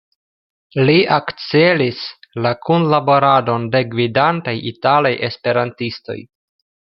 Li akcelis la kunlaboradon de gvidantaj italaj Esperantistoj.